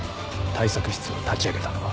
対策室を立ち上げたのは？